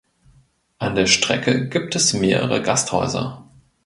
An der Strecke gibt es mehrere Gasthäuser.